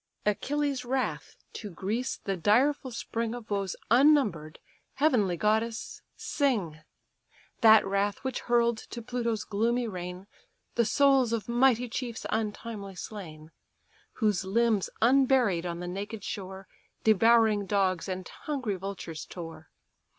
Achilles' wrath, to Greece the direful spring Of woes unnumber'd, heavenly goddess, sing! That wrath which hurl'd to Pluto's gloomy reign The souls of mighty chiefs untimely slain; Whose limbs unburied on the naked shore, Devouring dogs and hungry vultures tore.